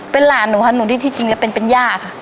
เป็นหลานหนูค่ะหนูที่ที่จริงแล้วเป็นเป็นย่าค่ะ